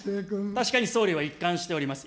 確かに総理は一貫しております。